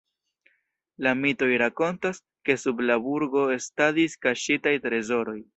La mitoj rakontas, ke sub la burgo estadis kaŝitaj trezoroj.